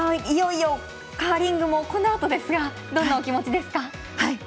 いよいよ、カーリングもこのあとですがどんなお気持ちですか？